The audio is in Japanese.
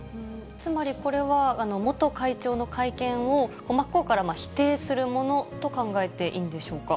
つまりこれは、元会長の会見を真っ向から否定するものと考えていいんでしょうか。